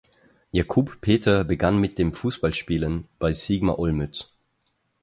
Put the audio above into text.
Jakub Petr begann mit dem Fußballspielen bei Sigma Olmütz.